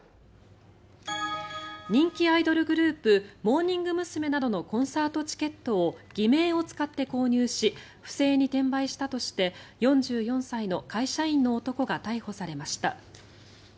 人気アイドルグループモーニング娘。などのコンサートチケットを偽名を使って購入し不正に転売したとして４４歳の会社員の男が逮捕されました。